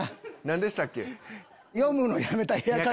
何でしたっけ？